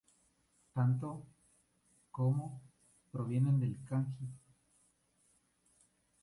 Tanto せ como セ provienen del kanji 世.